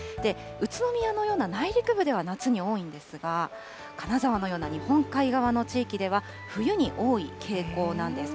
宇都宮のような内陸部では夏に多いんですが、金沢のような日本海側の地域では、冬に多い傾向なんです。